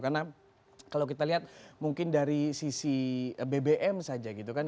karena kalau kita lihat mungkin dari sisi bbm saja gitu kan